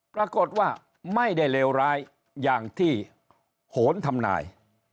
ปรากฏว่าไม่ได้เลวร้ายอย่างที่โหนทำนาย